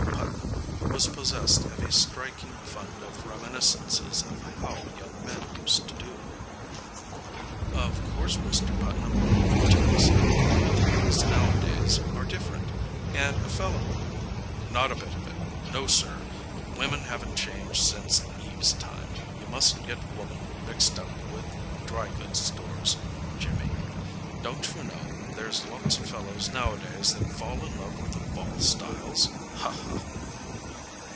Putnam was possessed of a striking fund of reminiscences of how young men used to do. "Of course, Mr. Putnam," Jimmy said. "But the girls nowadays are different, and a fel " "Not a bit of it. No, sir. Women haven't changed since Eve's time. You mustn't get woman mixed up with dry goods stores, Jimmy. Don't you know there's lots of fellows nowadays that fall in love with the fall styles? Ha, ha!"